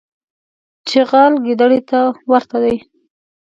چغال ګیدړي ته ورته دی.